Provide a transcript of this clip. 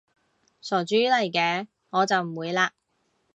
傻豬嚟嘅，我就唔會嘞